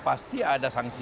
pasti ada sangsi